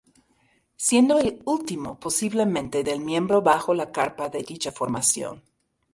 Siendo el último posiblemente del Miembro Bajo la Carpa de dicha formación.